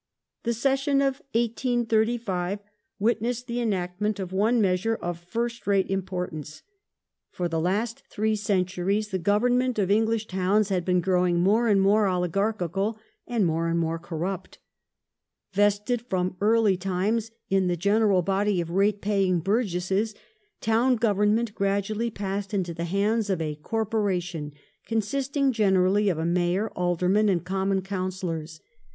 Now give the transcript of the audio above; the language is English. Municipal The session of 1835 witnessed the enactment of one measure Corpora ^^ first rate importance. For the last three centuries the govern ment of English towns had been growing more and more oligar chical, and more and more corrupt Vested, from early times, in the general body of rate paying burgesses, town government gradually passed into the hands of a "Corporation" consisting generally of a Mayor, Aldermen, and Common Councillors.